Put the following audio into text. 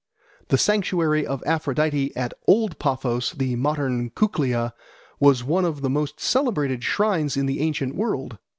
The sanctuary of Aphrodite at Old Paphos (the modern Kuklia) was one of the most celebrated shrines in the ancient world.